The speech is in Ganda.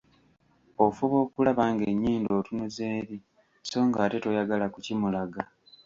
"Ofuba okulaba ng'ennyindo otunuza eri, so ng'ate toyagala kukimulaga."